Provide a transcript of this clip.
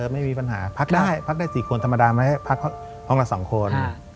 ไม่มีปัญหาพักได้พักได้๔คนธรรมดาไม่ให้พักห้องละ๒คน